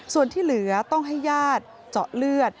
ส่วนที่เหลือต้องให้ญาติเจาะเลือด